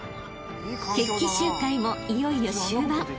［決起集会もいよいよ終盤］